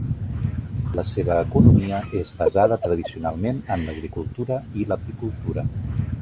La seva economia és basada tradicionalment en l'agricultura i l'apicultura.